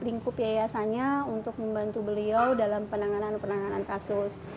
lingkup yayasannya untuk membantu beliau dalam penanganan penanganan kasus